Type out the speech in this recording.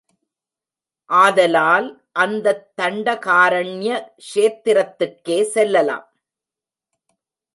ஆதலால் அந்தத் தண்டகாரண்ய க்ஷேத்திரத்துக்கே செல்லலாம்.